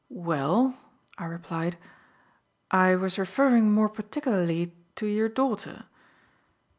"Well," I replied, "I was referring more particularly to your daughter."